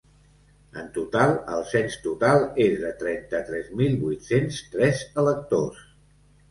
En total, el cens total és de trenta-tres mil vuit-cents tres electors.